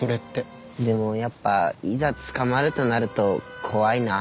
でもやっぱいざ捕まるとなると怖いな。